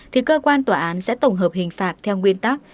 thì cơ quan tòa án sẽ tổng hợp hình phạt theo nguyên tắc